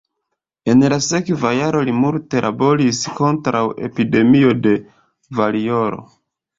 En la sekva jaro li multe laboris kontraŭ epidemio de variolo.